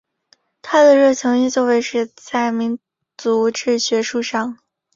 他的热情依旧维持在民族志学术上。